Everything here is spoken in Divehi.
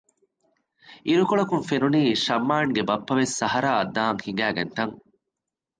އިރުކޮޅަކުން ފެނުނީ ޝަމްއާންގެ ބައްޕަވެސް ސަހަރާއަށް ދާން ހިނގައިގަތްތަން